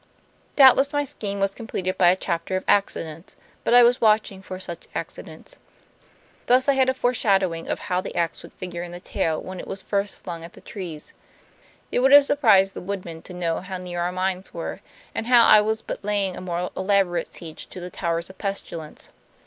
"Doubtless my scheme was completed by a chapter of accidents, but I was watching for such accidents. Thus I had a foreshadowing of how the ax would figure in the tale when it was first flung at the trees; it would have surprised the woodman to know how near our minds were, and how I was but laying a more elaborate siege to the towers of pestilence.